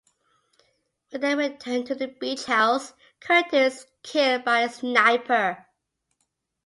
When they return to the beach house, Curtis is killed by a sniper.